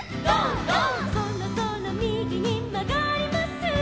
「そろそろみぎにまがります」